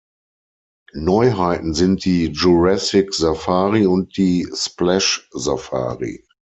Neuheiten sind die Jurassic-Safari und die Splash-Safari.